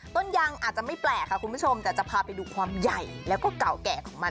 ต้นยังอาจจะไม่แปลกค่ะคุณผู้ชมแต่จะพาไปดูความใหญ่แล้วก็เก่าแก่ของมัน